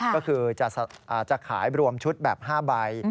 ก็คือจะขายรวมชุดแบบ๕ใบ